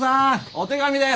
お手紙です！